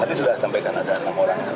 tadi sudah sampaikan ada enam orang